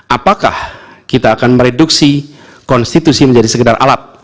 apakah kita akan mereduksi konstitusi menjadi sekedar alat